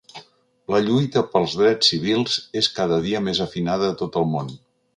La lluita pels drets civils és cada dia més afinada a tot el món.